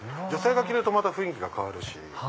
女性が着るとまた雰囲気が変わるし。